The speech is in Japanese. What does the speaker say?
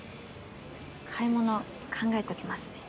買い物考えときますね。